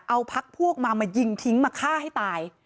เอาพักพวกมามายิงทิ้งมาฆ่าให้ตาย